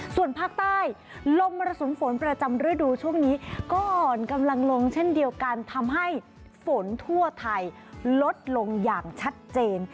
ส่วนภาคใต้ลมมรสุมฝนประจำฤดูช่วงนี้ก็อ่อนกำลังลงเช่นเดียวกันทำให้ฝนทั่วไทยลดลงอย่างชัดเจน